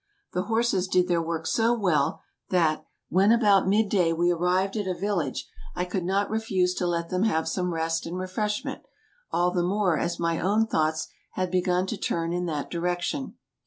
The horses did their work so well that, when about mid day we arrived at a village, I could not refuse to let them have some rest and refreshment — all the more as my own thoughts had begun to turn in that direction.